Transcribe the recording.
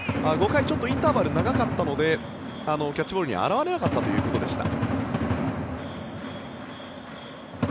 ５回、ちょっとインターバルが長かったのでキャッチボールには現れなかったということでした。